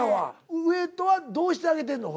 上戸はどうしてあげてんの？